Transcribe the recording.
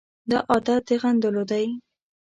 دا عادت د غندلو دی.